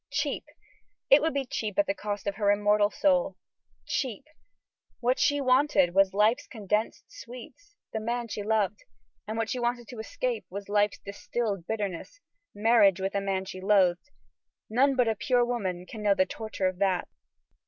Cheap? It would be cheap at the cost of her immortal soul. Cheap? What she wanted was life's condensed sweets the man she loved; and what she wanted to escape was life's distilled bitterness marriage with a man she loathed. None but a pure woman can know the torture of that.